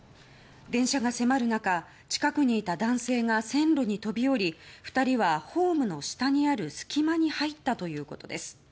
電車が迫る中、近くにいた男性が線路に飛び降り２人はホームの下にある隙間に入ったということです。